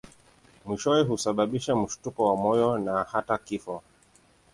Mwishowe husababisha mshtuko wa moyo na hata kifo.